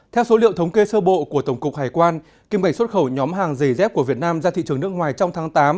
theo số liệu thống kê sơ bộ của tổng cục hải quan kim ngạch xuất khẩu nhóm hàng giày dép của việt nam ra thị trường nước ngoài trong tháng tám